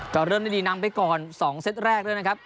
ก็เริ่มได้เดี๋ยวนำไปก่อนสองแสตแรกเลยนะครับ